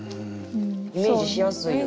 イメージしやすいよね。